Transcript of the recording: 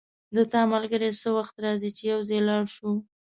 د تا ملګری څه وخت راځي چی یو ځای لاړ شو